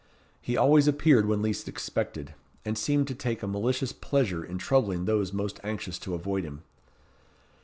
He always appeared when least expected, and seemed to take a malicious pleasure in troubling those most anxious to avoid him.